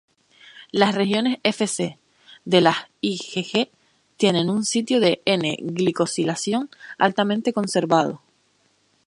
Las regiones Fc de las IgG tienen un sitio de N-glicosilación altamente conservado.